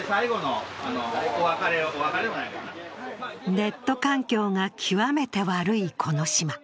ネット環境が極めて悪いこの島。